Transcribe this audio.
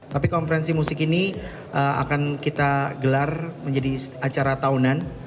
tapi konferensi musik ini akan kita gelar menjadi acara tahunan